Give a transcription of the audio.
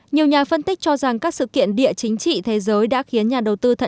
nhiều nhà phân tích cho rằng các sự kiện địa chính trị thế giới đã khiến nhà đầu tư thận